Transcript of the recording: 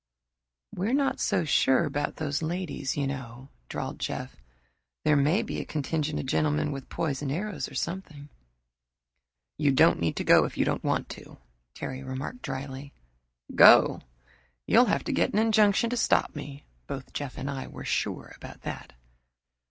"We're not so sure about those ladies, you know," drawled Jeff. "There may be a contingent of gentlemen with poisoned arrows or something." "You don't need to go if you don't want to," Terry remarked drily. "Go? You'll have to get an injunction to stop me!" Both Jeff and I were sure about that.